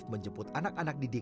mudah buat financial policy city